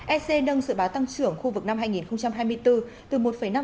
ec nâng dự báo tăng trưởng khu vực năm hai nghìn hai mươi bốn từ một năm